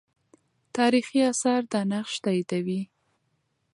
تاریخي آثار دا نقش تاییدوي.